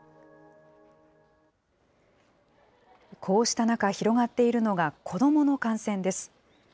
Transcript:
こうした中、広がっているのが、子どもの感染です。